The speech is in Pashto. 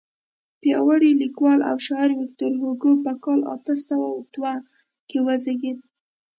پیاوړی لیکوال او شاعر ویکتور هوګو په کال اته سوه دوه کې وزیږېد.